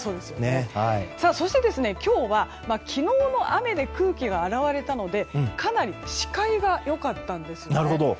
そして今日は昨日の雨で空気が洗われたのでかなり視界が良かったんですよね。